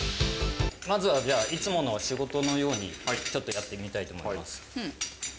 まずはじゃあいつもの仕事のようにちょっとやってみたいと思います。